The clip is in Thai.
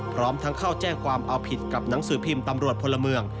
พร้อมทั้งเข้าแจ้งความเอาผิดกับหนังสือพิมพ์ตำรวจพลเมือง